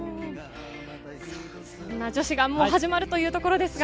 そんな女子がもう始まるというところですが。